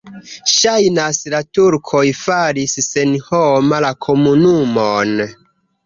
Ŝajnas, la turkoj faris senhoma la komunumon.